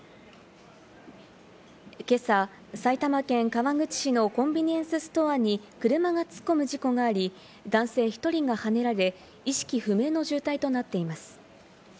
今朝、埼玉県川口市のコンビニエンスストアに車が突っ込む事故があり、男性１人がはねられ、意識不明の重体となっています。